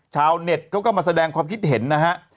ชาวเน็ตเขาก็มาแสดงความคิดเห็นนะฮะ